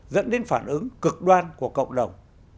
dẫn đến phản ứng cực đoan của cộng đồng